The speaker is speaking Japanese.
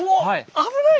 危ない！